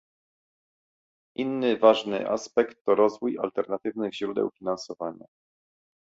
Inny ważny aspekt to rozwój alternatywnych źródeł finansowania